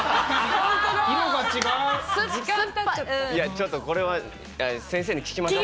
ちょっとこれは先生に聞きましょ。